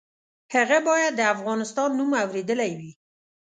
هغه باید د افغانستان نوم اورېدلی وي.